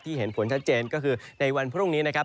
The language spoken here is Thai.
เห็นผลชัดเจนก็คือในวันพรุ่งนี้นะครับ